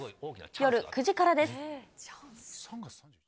夜９時からです。